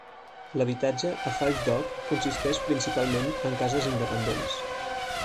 L'habitatge a Five Dock consisteix principalment en cases independents.